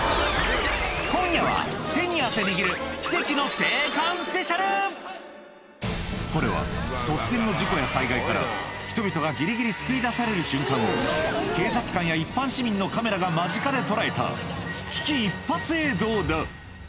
今夜は手に汗握るこれは突然の事故や災害から人々がギリギリ救い出される瞬間を警察官や一般市民のカメラが間近で捉えた危機一髪映像だ